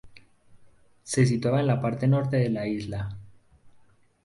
Se situaba en la parte norte de la isla.